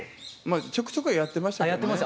ちょくちょくはやってましたけどね。